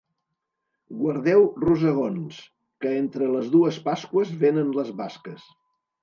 Guardeu rosegons, que entre les dues pasqües venen les basques.